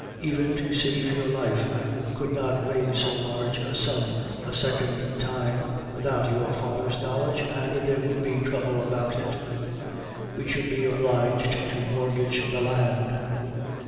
Even to save your life I could not raise so large a sum a second time without your father's knowledge, and there would be trouble about it. We should be obliged to mortgage the land.